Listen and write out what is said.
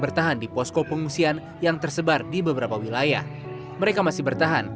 bertahan di posko pengungsian yang tersebar di beberapa wilayah mereka masih bertahan